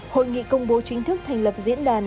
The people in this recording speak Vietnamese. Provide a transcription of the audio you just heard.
hội nghị công bố chính thức thành lập diễn đàn